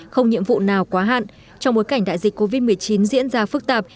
không nhiệm vụ nào quá hạn trong bối cảnh đại dịch covid một mươi chín diễn ra phức tạp